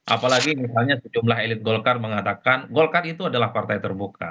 apalagi misalnya sejumlah elit golkar mengatakan golkar itu adalah partai terbuka